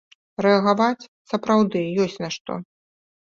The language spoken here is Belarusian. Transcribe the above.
Рэагаваць сапраўды ёсць на што.